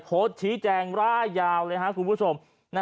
โพสต์ชี้แจงร่ายยาวเลยครับคุณผู้ชม